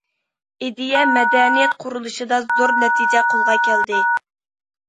ئىدىيە- مەدەنىيەت قۇرۇلۇشىدا زور نەتىجە قولغا كەلدى.